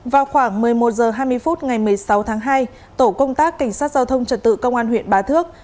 vào khoảng một mươi một h hai mươi phút ngày một mươi sáu tháng hai tổ công tác cảnh sát giao thông trật tự công an huyện bá thước